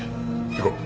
行こう。